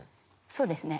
そうですね